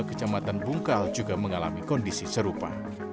kecamatan bungkal juga mengalami kondisi serupa